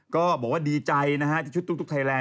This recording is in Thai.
ก็บอกว่าดีใจนะฮะชุดตุ๊กแทน